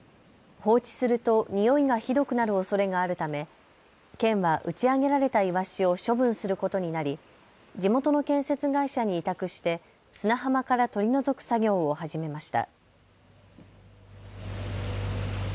放置すると臭いがひどくなるおそれがあるため県は打ち上げられたイワシを処分することになり地元の建設会社に委託して砂浜から取り除く作業を始めました。